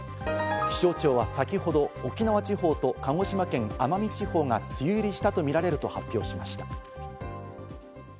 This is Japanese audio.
気象庁は先ほど、沖縄地方と鹿児島県奄美地方が梅雨入りしたとみられると発表しました。